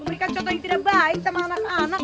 memberikan contoh yang tidak baik sama anak anak